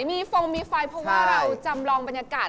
มีฟงมีไฟเพราะว่าเราจำลองบรรยากาศ